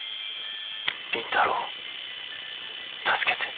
倫太郎助けて。